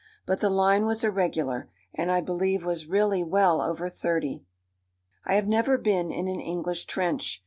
But the line was irregular, and I believe was really well over thirty. I have never been in an English trench.